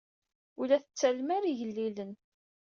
Ur la tettallem ara igellilen.